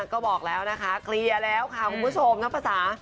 ก็บอกแล้วนะคะเคลียร์แล้วค่ะคุณผู้ชมนับภาษา